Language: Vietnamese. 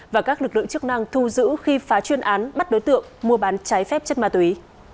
và các lực lượng chức năng thu giữ khi phá chuyên án bắt đối tượng mua bán trái phép chất ma túy